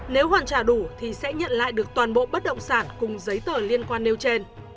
nếu hoàn trả đủ thì sẽ nhận lại được toàn bộ bất động sản cùng giấy tờ liên quan nêu trên